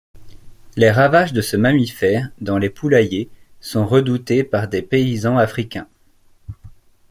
Les ravages de ce mammifère dans les poulaillers sont redoutés des paysans africains.